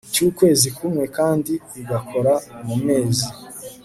cyukwezi kumwe kandi igakora mu mezi